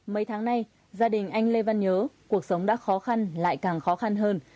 mấy tháng nay gia đình anh lê văn nhớ cuộc sống đã khó khăn lại càng khó khăn hơn